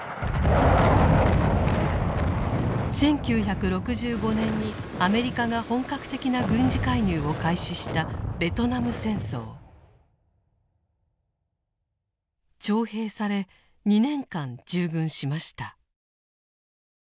１９６５年にアメリカが本格的な軍事介入を開始した徴兵され２年間従軍しました。